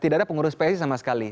tidak ada pengurus psi sama sekali